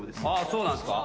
そうなんですか？